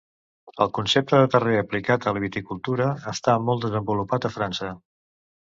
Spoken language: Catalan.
El concepte de terrer aplicat a la viticultura està molt desenvolupat a França.